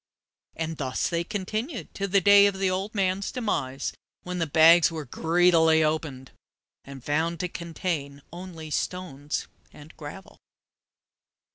And thus they continued to the day of the old man's demise, when the bags were greedily opened, and found to contain only stones and gravel!